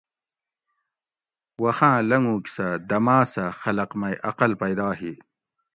وخاۤں لنگوگ سہۤ دماۤ سہ خلق مئ اقل پیدا ہی